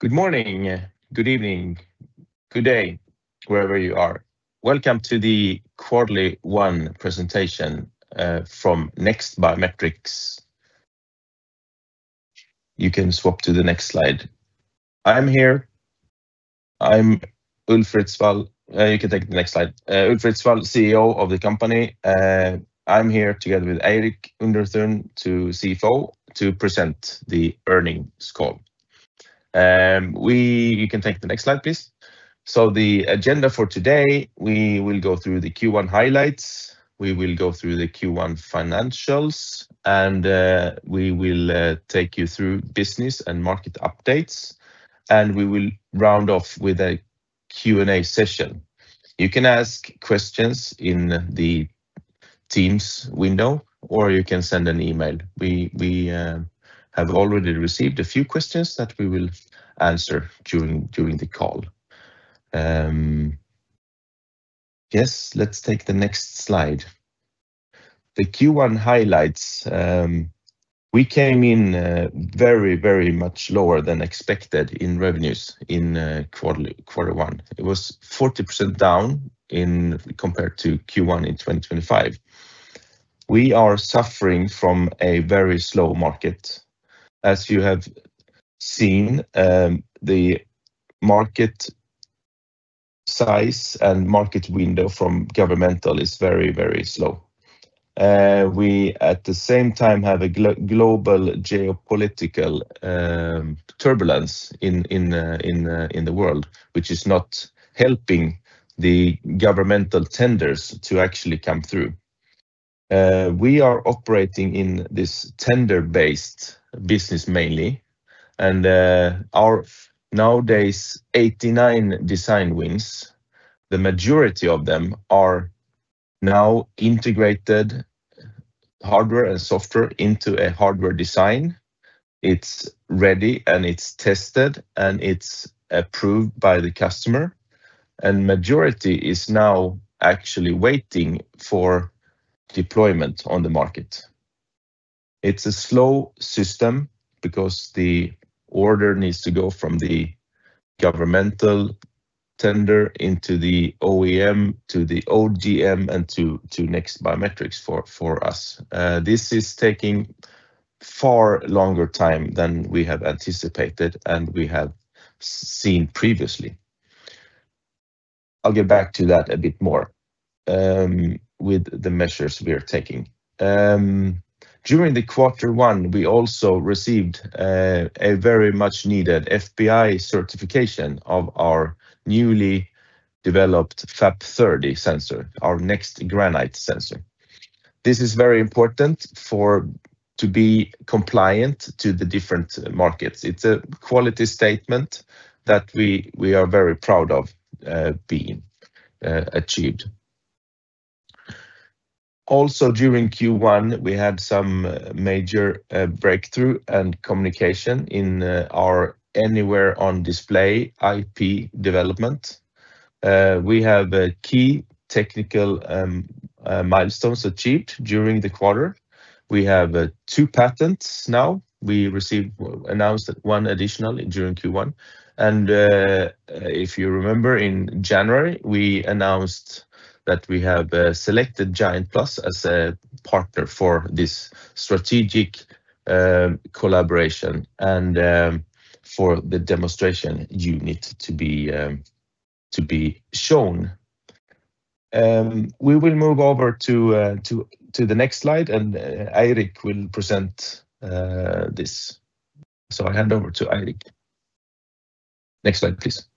Good morning, good evening, good day, wherever you are. Welcome to the quarterly one presentation from NEXT Biometrics. You can swap to the next slide. I'm here. You can take the next slide. Ulf Ritsvall, CEO of the company. I'm here together with Eirik Underthun, CFO, to present the earnings call. You can take the next slide, please. The agenda for today, we will go through the Q1 highlights, we will go through the Q1 financials, and we will take you through business and market updates, and we will round off with a Q&A session. You can ask questions in the Teams window, or you can send an email. We have already received a few questions that we will answer during the call. Let's take the next slide. The Q1 highlights. We came in very much lower than expected in revenues in quarter one. It was 40% down compared to Q1 2025. We are suffering from a very slow market. As you have seen, the market size and market window from governmental is very slow. We, at the same time, have a global geopolitical turbulence in the world, which is not helping the governmental tenders to actually come through. We are operating in this tender-based business mainly. Our nowadays 89 design wins, the majority of them are now integrated hardware and software into a hardware design. It's ready and it's tested, and it's approved by the customer. Majority is now actually waiting for deployment on the market. It's a slow system because the order needs to go from the governmental tender into the OEM to the ODM and to NEXT Biometrics for us. This is taking far longer time than we had anticipated and we have seen previously. I'll get back to that a bit more with the measures we are taking. During Q1, we also received a very much needed FBI certification of our newly developed FAP 30 sensor, our NEXT Granite sensor. This is very important to be compliant to the different markets. It's a quality statement that we are very proud of being achieved. Also during Q1, we had some major breakthrough and communication in our Anywhere on Display IP development. We have a key technical milestones achieved during the quarter. We have two patents now. We announced one additional during Q1. If you remember, in January, we announced that we have selected Giantplus as a partner for this strategic collaboration and for the demonstration unit to be shown. We will move over to the next slide, Eirik will present this. I hand over to Eirik. Next slide, please.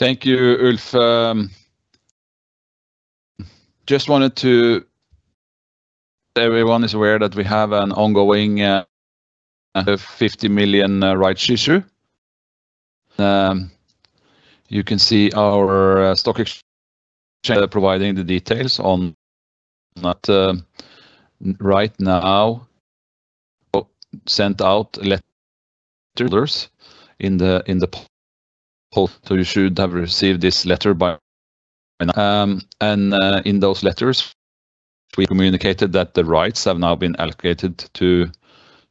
Thank you, Ulf. Just wanted to everyone is aware that we have an ongoing 50 million rights issue. You can see our stock exchange providing the details on that right now. Sent out letters in the post, so you should have received this letter by now. In those letters, we communicated that the rights have now been allocated to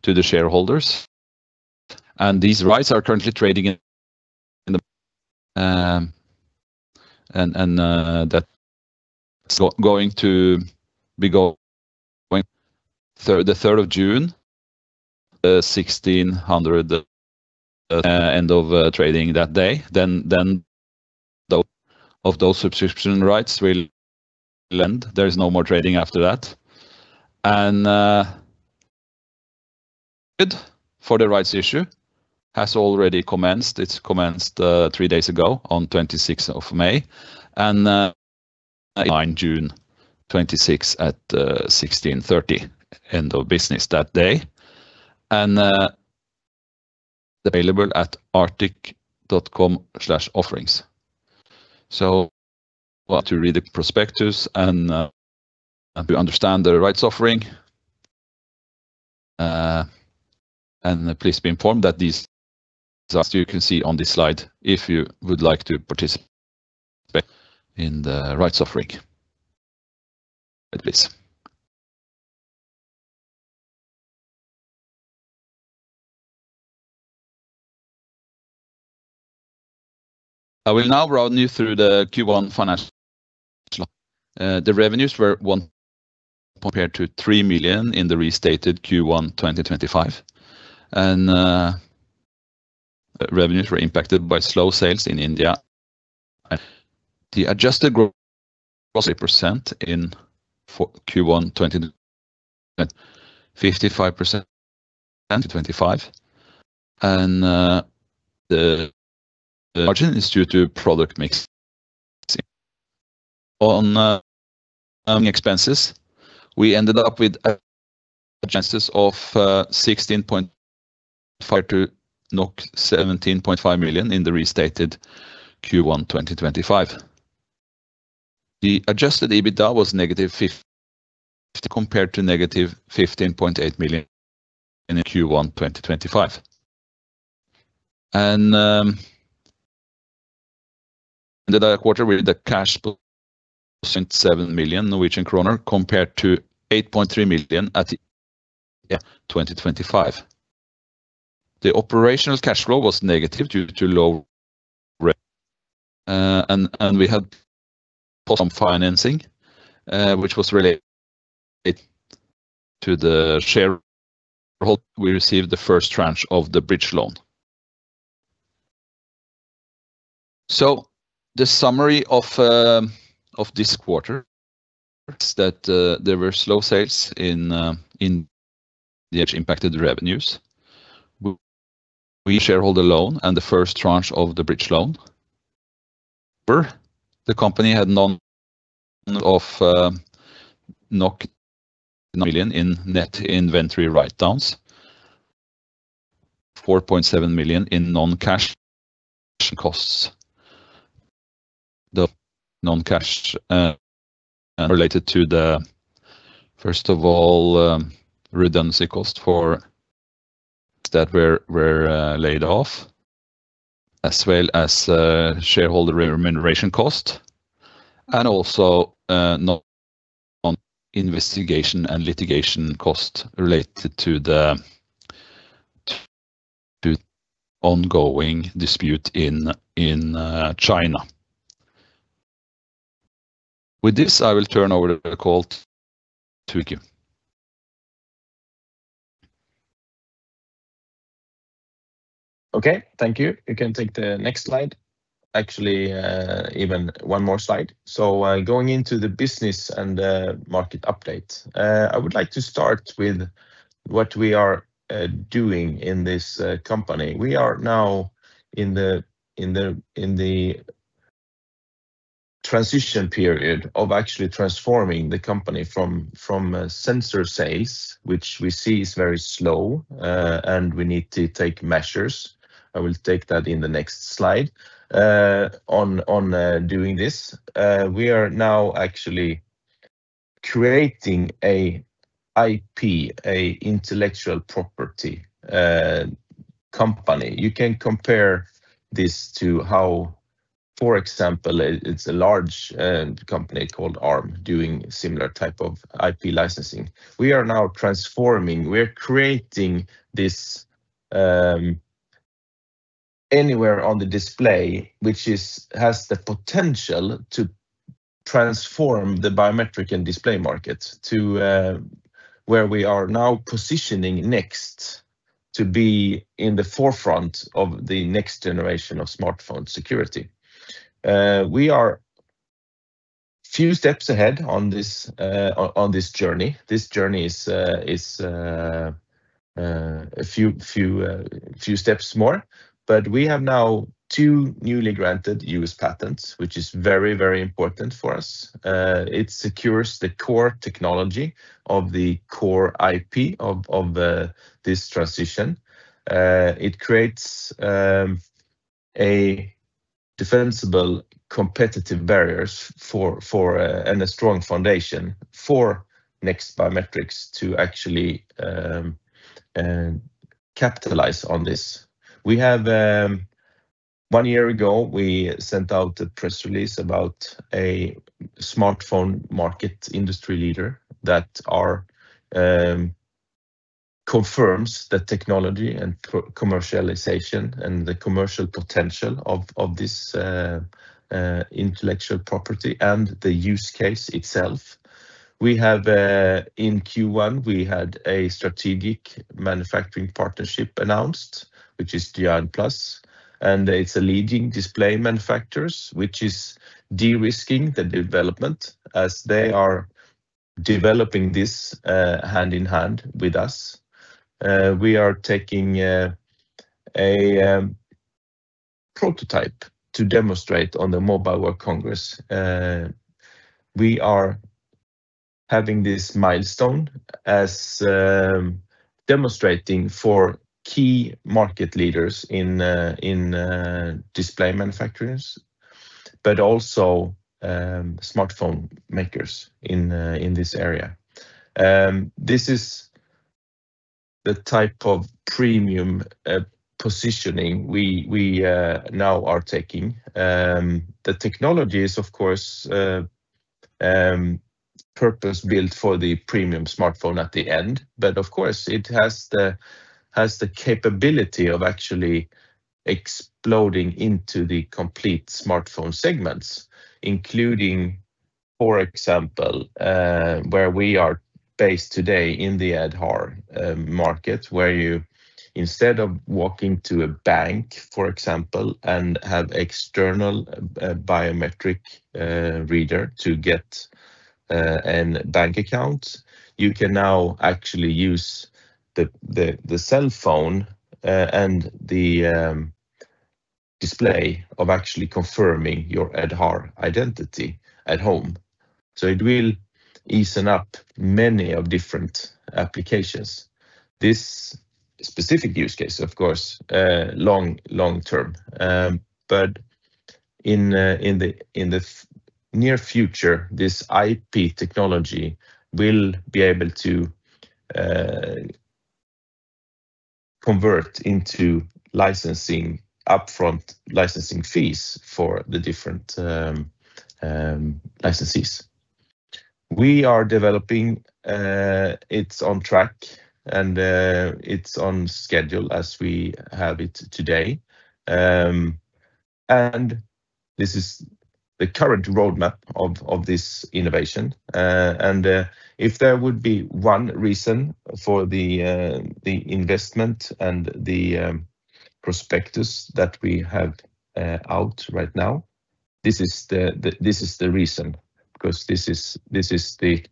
the shareholders. These rights are currently trading and that going to be the 3rd of June, 4:00 P.M. end of trading that day, then of those subscription rights will end. There is no more trading after that. The rights issue has already commenced. It's commenced three days ago, on 26th of May. On June 26th at 4:30 P.M. end of business that day and available at arctic.com/offerings. Want to read the prospectus and to understand the rights offering. Please be informed that these results you can see on this slide if you would like to participate in the rights offering. Please. I will now run you through the Q1 financials. The revenues were 1 million compared to 3 million in the restated Q1 2025. Revenues were impacted by slow sales in India. The adjusted growth margin was 3% in Q1 2025, 55% in 2025. The margin is due to product mix. On expenses, we ended up with charges of 16.5 million-17.5 million NOK in the restated Q1 2025. The Adjusted EBITDA was negative 15 million compared to negative 15.8 million in Q1 2025. Ended that quarter with the cash 7 million Norwegian kroner compared to 8.3 million at 2025. The operational cash flow was negative due to low. We had some financing, which was related to the shareholder. We received the first tranche of the bridge loan. The summary of this quarter is that there were slow sales in India which impacted the revenues. We shareholder loan and the first tranche of the bridge loan. The company had 9 million in net inventory write-downs. 4.7 million in non-cash costs. The non-cash related to the first of all, redundancy cost for that were laid off, as well as shareholder remuneration cost, and also ongoing investigation and litigation cost related to the ongoing dispute in China. With this, I will turn over the call to you. Okay. Thank you. You can take the next slide. Actually, even one more slide. Going into the business and the market update. I would like to start with what we are doing in this company. We are now in the transition period of actually transforming the company from sensor sales, which we see is very slow, and we need to take measures. I will take that in the next slide. On doing this, we are now actually creating a IP, a intellectual property company. You can compare this to how, for example, it's a large company called Arm doing similar type of IP licensing. We are now transforming. We're creating this Anywhere on Display, which has the potential to transform the biometric and display market to where we are now positioning NEXT to be in the forefront of the next generation of smartphone security. We are few steps ahead on this journey. This journey is a few steps more, but we have now two newly granted U.S. patents, which is very, very important for us. It secures the core technology of the core IP of this transition. It creates a defensible competitive barriers and a strong foundation for NEXT Biometrics to actually capitalize on this. One year ago, we sent out a press release about a smartphone market industry leader that confirms the technology and commercialization and the commercial potential of this intellectual property and the use case itself. In Q1, we had a strategic manufacturing partnership announced, which is Giantplus, and it's a leading display manufacturers, which is de-risking the development as they are developing this hand in hand with us. We are taking a prototype to demonstrate on the Mobile World Congress. We are having this milestone as demonstrating for key market leaders in display manufacturers. Also smartphone makers in this area. This is the type of premium positioning we now are taking. The technology is, of course, purpose-built for the premium smartphone at the end. Of course it has the capability of actually exploding into the complete smartphone segments, including, for example, where we are based today in the Aadhaar market. Where you, instead of walking to a bank, for example, and have external biometric reader to get a bank account, you can now actually use the cellphone and the display of actually confirming your Aadhaar identity at home. It will ease up many of different applications. This specific use case, of course, long-term. In the near future, this IP technology will be able to convert into licensing upfront licensing fees for the different licensees. We are developing, it's on track and it's on schedule as we have it today. This is the current roadmap of this innovation. If there would be one reason for the investment and the prospectus that we have out right now, this is the reason. Because this is the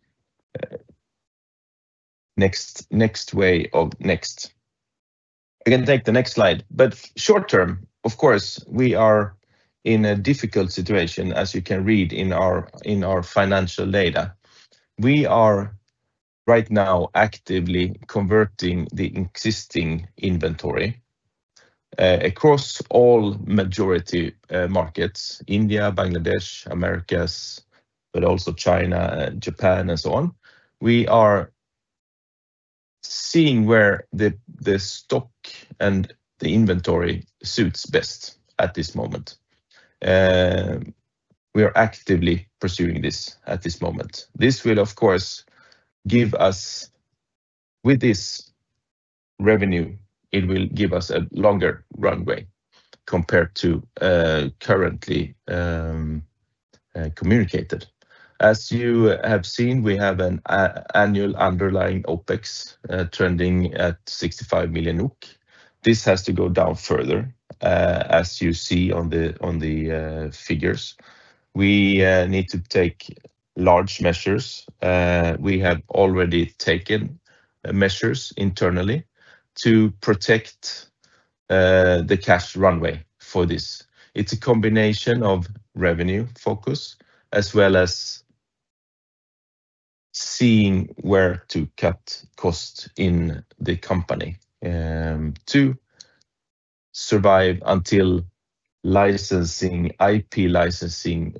next way of NEXT. You can take the next slide. Short term, of course, we are in a difficult situation, as you can read in our financial data. We are right now actively converting the existing inventory across all majority markets, India, Bangladesh, Americas, but also China, Japan and so on. We are seeing where the stock and the inventory suits best at this moment. We are actively pursuing this at this moment. This will, of course, give us, with this revenue, it will give us a longer runway compared to currently communicated. As you have seen, we have an annual underlying OpEx trending at 65 million NOK. This has to go down further, as you see on the figures. We need to take large measures. We have already taken measures internally to protect the cash runway for this. It's a combination of revenue focus as well as seeing where to cut costs in the company to survive until IP licensing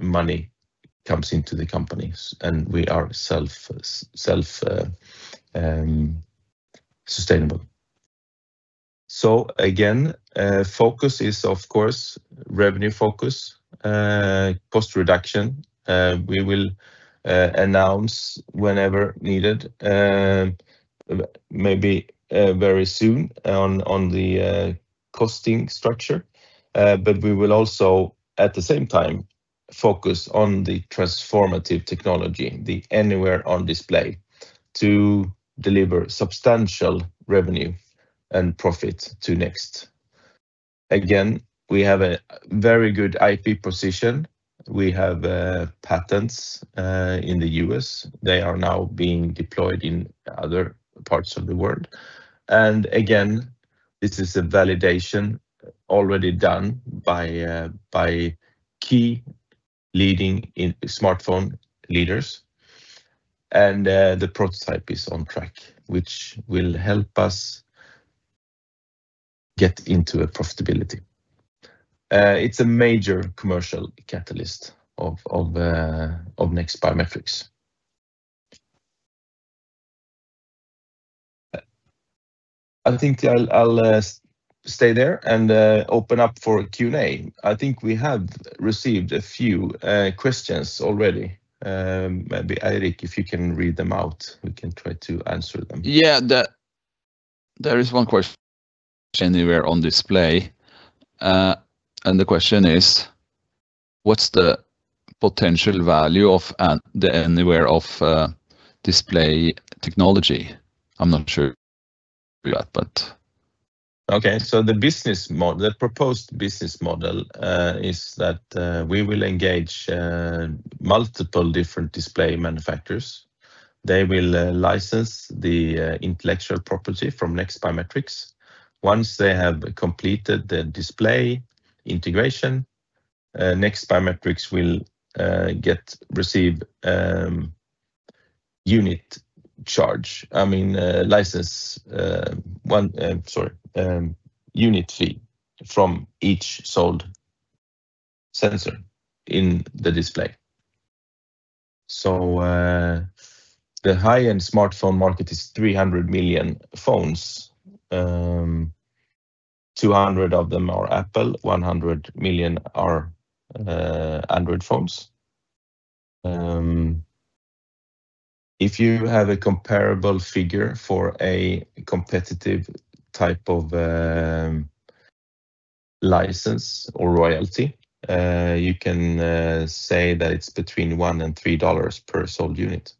money comes into the company, and we are self-sustainable. Again focus is, of course, revenue focus, cost reduction. We will announce whenever needed, maybe very soon on the costing structure. We will also at the same time focus on the transformative technology, the Anywhere on Display, to deliver substantial revenue and profit to NEXT. Again, we have a very good IP position. We have patents in the U.S. They are now being deployed in other parts of the world. Again, this is a validation already done by key smartphone leaders. The prototype is on track, which will help us get into a profitability. It's a major commercial catalyst of NEXT Biometrics. I think I'll stay there and open up for a Q&A. I think we have received a few questions already. Maybe, Eirik, if you can read them out, we can try to answer them. Yeah. There is one question Anywhere on Display. The question is, what's the potential value of the Anywhere on Display technology? I'm not sure about that. The proposed business model is that we will engage multiple different display manufacturers. They will license the intellectual property from NEXT Biometrics. Once they have completed the display integration, NEXT Biometrics will receive a unit charge. I mean, unit fee from each sold sensor in the display. The high-end smartphone market is 300 million phones. 200 of them are Apple, 100 million are Android phones. If you have a comparable figure for a competitive type of license or royalty, you can say that it's between $1 and $3 per sold unit.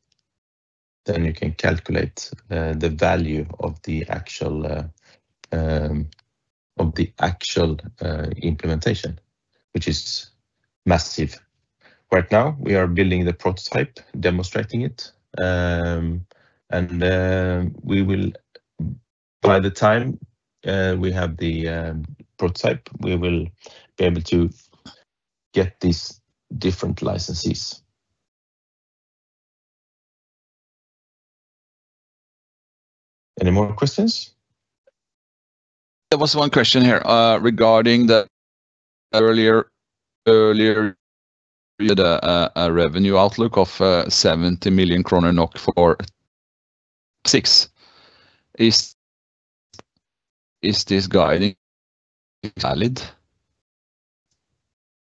You can calculate the value of the actual implementation, which is massive. Right now, we are building the prototype, demonstrating it. By the time we have the prototype, we will be able to get these different licenses. Any more questions? There was one question here regarding the earlier revenue outlook of NOK 70 million for six. Is this guiding valid?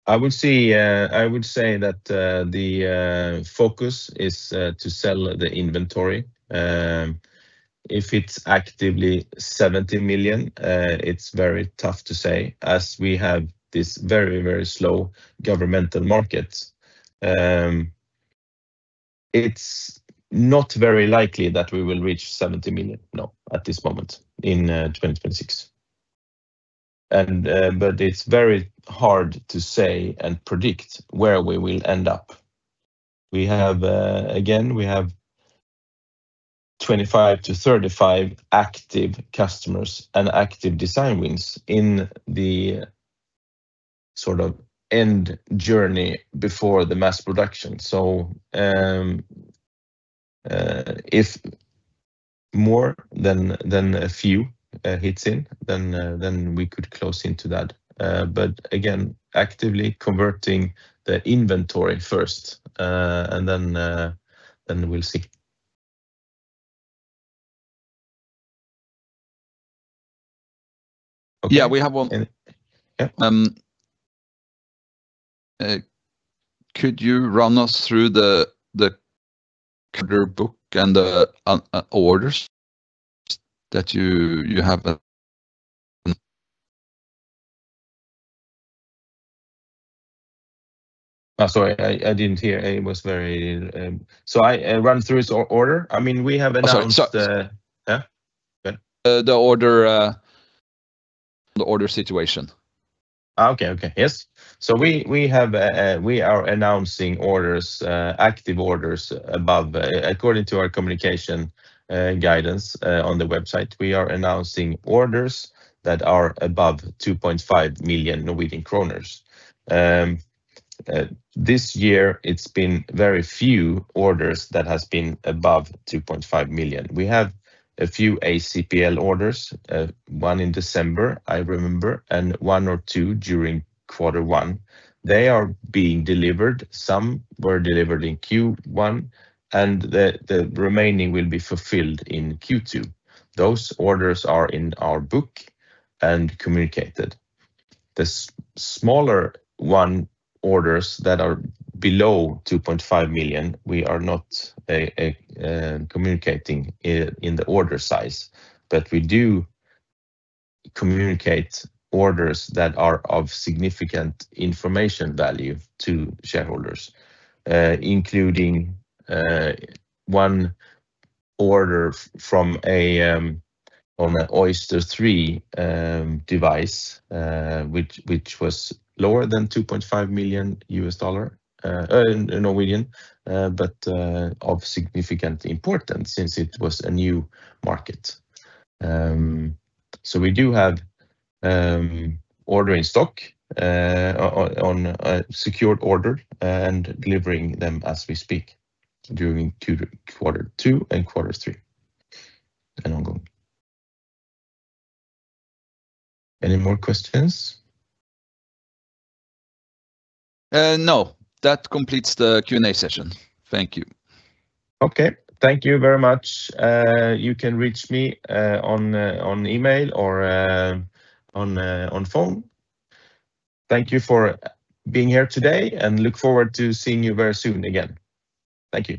I would say that the focus is to sell the inventory. If it's actively 70 million, it's very tough to say, as we have this very, very slow governmental market. It's not very likely that we will reach 70 million, no, at this moment in 2026. It's very hard to say and predict where we will end up. Again, we have 25 to 35 active customers and active design wins in the sort of end journey before the mass production. If more than a few hits in, then we could close into that. Again, actively converting the inventory first, and then we'll see. Okay. Yeah, we have one. Yeah. Could you run us through the order book and the orders that you have? Sorry, I didn't hear. Run through its order? I mean. Oh, sorry. Yeah. Go ahead. The order situation. Okay. Yes. We are announcing active orders. According to our communication guidance on the website, we are announcing orders that are above 2.5 million Norwegian kroner. This year it's been very few orders that has been above 2.5 million. We have a few ACPL orders, one in December, I remember, and one or two during quarter one. They are being delivered. Some were delivered in Q1, and the remaining will be fulfilled in Q2. Those orders are in our book and communicated. The smaller one orders that are below 2.5 million, we are not communicating in the order size. We do communicate orders that are of significant information value to shareholders, including one order on an Oyster III device which was lower than NOK 2.5 million, but of significant importance since it was a new market. We do have order in stock on a secured order and delivering them as we speak during quarter two and quarter three, and ongoing. Any more questions? No. That completes the Q&A session. Thank you. Okay. Thank you very much. You can reach me on email or on phone. Thank you for being here today, and look forward to seeing you very soon again. Thank you.